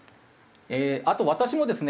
あと私もですね